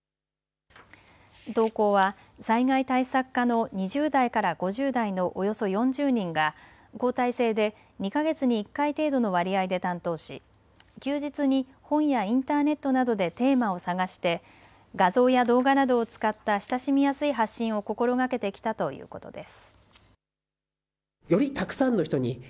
投稿は災害対策課の２０代から５０代のおよそ４０人が交代制で２か月に１回程度の割合で担当し休日に本やインターネットなどでテーマを探して画像や動画などを使った親しみやすい発信を心がけてきたということです。